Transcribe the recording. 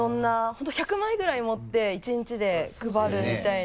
本当１００枚ぐらい持って１日で配るみたいな。